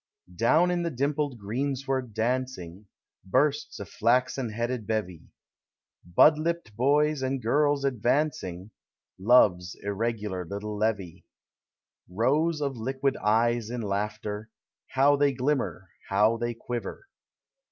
Down the dimpled greensward dancing, Bursts a fiaxen headed bevy, — Bud lipt boys and girls advancing, Love's irregular little levy. Rows of liquid eyes in laughter, How they glimmer, how they quiver!